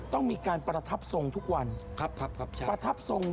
ต้องมีการประทับทรงทุกวันประทับทรงโดยครับครับใช่